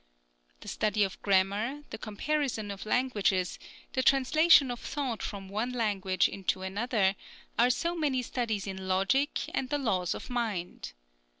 The study of grammar, the comparison of languages, the translation of thought from one language to another, are so many studies in logic and the laws of mind.